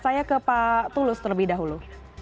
saya ke pak tulus terlebih dahulu